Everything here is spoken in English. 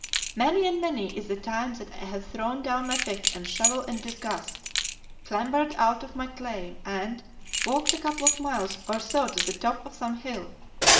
Many and many is the time that I have thrown down my pick and shovel in disgust, clambered out of my claim, and walked a couple of miles or so to the top of some hill.